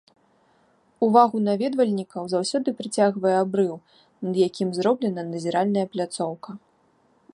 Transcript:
Увагу наведвальнікаў заўсёды прыцягвае абрыў, над якім зроблена назіральная пляцоўка.